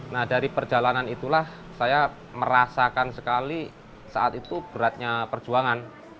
nah dari perjalanan itulah saya merasakan sekali saat itu beratnya perjuangan